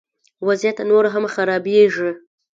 وضعیت نور هم خرابیږي